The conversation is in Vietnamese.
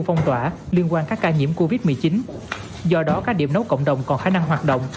phong tỏa liên quan các ca nhiễm covid một mươi chín do đó các điểm nấu cộng đồng còn khả năng hoạt động